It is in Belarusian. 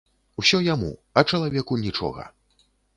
Усё яму, а чалавеку нічога.